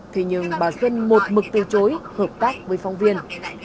thế nhưng bà xuân một mực từ chối hợp tác với phong viên